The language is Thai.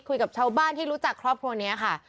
คุยกับชาวบ้านที่รู้จักครอบครัวนี้ค่ะ